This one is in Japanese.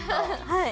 はい。